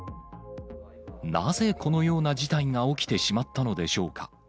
なぜこのような事態が起きてしまったのでしょうか。